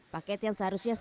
paket yang seharusnya selesai